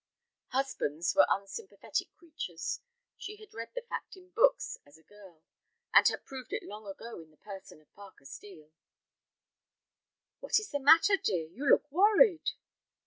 Husbands were unsympathetic creatures. She had read the fact in books as a girl, and had proved it long ago in the person of Parker Steel. "What is the matter, dear, you look worried?"